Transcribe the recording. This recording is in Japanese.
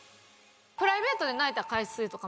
プライベートで泣いた回数とか。